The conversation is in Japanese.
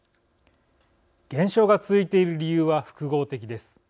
減少が続いている理由は複合的です。